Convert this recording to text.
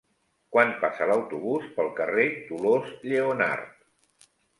Quan passa l'autobús pel carrer Dolors Lleonart?